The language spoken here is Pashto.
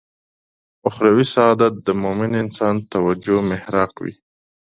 اخروي سعادت د مومن انسان توجه محراق وي.